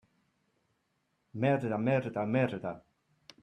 Merda, merda, merda!